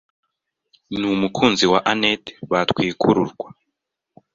n'umukunzi we Annet batwikururwa